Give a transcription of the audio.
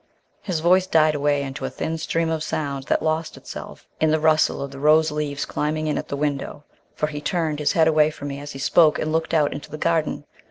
..." His voice died away into a thin stream of sound that lost itself in the rustle of the rose leaves climbing in at the window, for he turned his head away from me as he spoke and looked out into the garden.